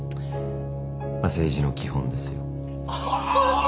まっ政治の基本ですよ。